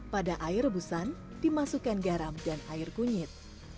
pada air rebusan dimasukkan garam dan air kunyit